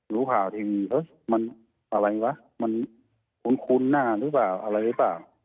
รู้ข่าวถึงมันอะไรวะมันคุ้นหน้าหรือเปล่าอะไรหรือเปล่า